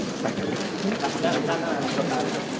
ด้านด้านนอกด้านนอก